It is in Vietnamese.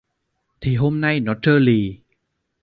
Thì hôm nay nó trơ lì